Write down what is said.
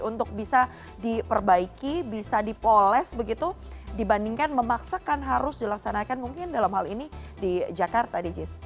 untuk bisa diperbaiki bisa dipoles begitu dibandingkan memaksakan harus dilaksanakan mungkin dalam hal ini di jakarta di jis